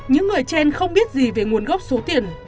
những người trên không biết gì về nguồn gốc số tiền